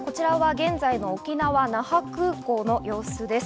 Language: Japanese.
現在の沖縄・那覇空港の様子です。